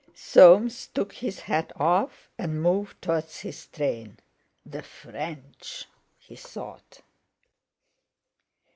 _" Soames took his hat off, and moved towards his train. "The French!" he thought.